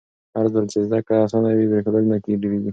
هرځل چې زده کړه اسانه وي، پرېښودل نه ډېرېږي.